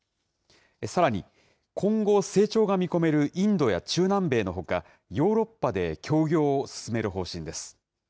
さらに、今後、成長が見込めるインドや中南米のほか、ヨーロッパで協業を進める方針です。